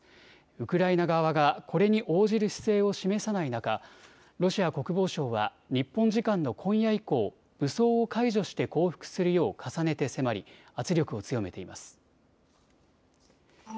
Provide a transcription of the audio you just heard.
ウクライナ側がこれに応じる姿勢を示さない中、ロシア国防省は日本時間の今夜以降、武装を解除して降伏するよう重ねて迫り圧力を強めています。